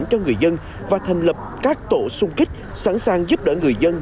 cho người dân và thành lập các tổ sung kích sẵn sàng giúp đỡ người dân